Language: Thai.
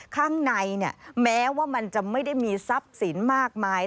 ข้างในแม้ว่ามันจะไม่ได้มีทรัพย์สินมากมาย